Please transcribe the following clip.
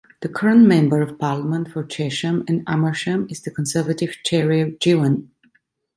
The current Member of Parliament for Chesham and Amersham is the Conservative Cheryl Gillan.